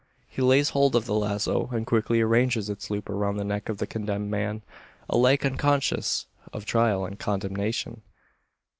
He lays hold of the lazo, and quickly arranges its loop around the neck of the condemned man alike unconscious of trial and condemnation.